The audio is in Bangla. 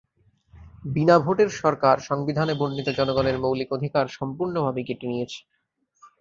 বিনা ভোটের সরকার সংবিধানে বর্ণিত জনগণের মৌলিক অধিকার সম্পূর্ণভাবে কেটে নিয়েছে।